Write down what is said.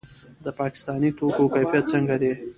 د پاکستاني توکو کیفیت څنګه دی؟